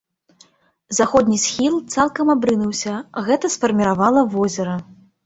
Заходні схіл цалкам абрынуўся, гэта сфарміравала возера.